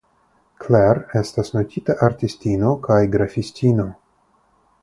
Clare estas notita artistino kaj grafistino.